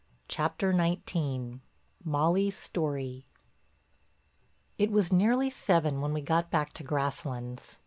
CHAPTER XIX—MOLLY'S STORY It was nearly seven when we got back to Grasslands.